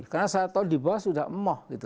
karena saya tahu di bawah sudah emoh gitu